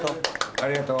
ありがとう。